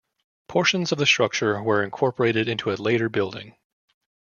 Portions of the structure were incorporated into a later building.